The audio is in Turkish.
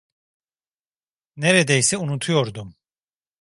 Neredeyse unutuyordum.